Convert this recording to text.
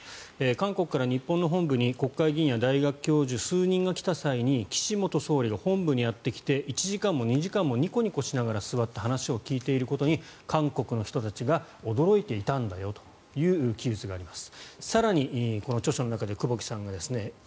韓国から日本の本部に国会議員や教授数人が来た時に岸元総理が本部にやってきて１時間も２時間もニコニコしながら座って話を聞いていることに韓国の人は驚いたんだという記述があります。